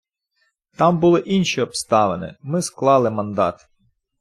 Там були інші обставини, ми склали мандат.